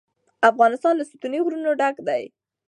افغانستان له ستوني غرونه ډک دی.